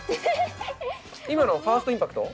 ファーストインパクト。